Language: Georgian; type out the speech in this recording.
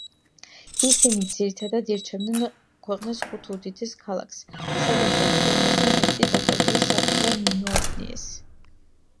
ისინი ძირითადად ირჩევდნენ ქვეყნის ხუთ უდიდეს ქალაქს, სადაც ოცი ათასზე მეტი „დაკარგული საფულე“ მიმოაბნიეს.